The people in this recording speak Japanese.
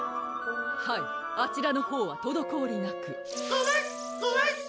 はいあちらのほうはとどこおりなくゴワスゴワス！